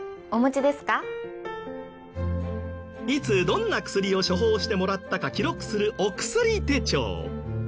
いつどんな薬を処方してもらったか記録するお薬手帳。